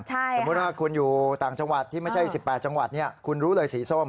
สมมุติว่าคุณอยู่ต่างจังหวัดที่ไม่ใช่๑๘จังหวัดคุณรู้เลยสีส้ม